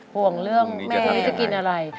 ห่วงเรื่องพี่จะกินอะไร